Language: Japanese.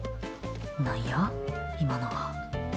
何や、今のは。